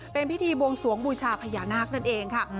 เป็นพิธีบวงสวงบูชาพญานาคนั่นเองค่ะ